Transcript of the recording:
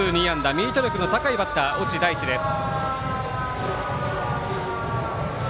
ミート力の高いバッター越智大地です。